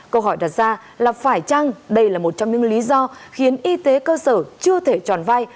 câu hỏi đặt ra là phải chăng đây là một trong những lý do khiến y tế cơ sở chưa thể tròn vai